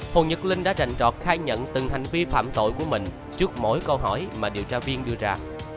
hồ nhật linh đã rành trọt khai nhận từng hành vi phạm tội của mình trước mỗi câu hỏi mà điều tra viên đưa ra